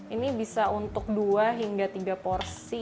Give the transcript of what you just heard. ini bisa untuk dua hingga tiga porsi